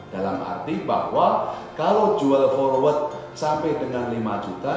dalam arti bahwa kalau jual forward sampai dengan lima juta